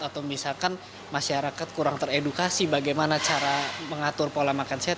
atau misalkan masyarakat kurang teredukasi bagaimana cara mengatur pola makan sehat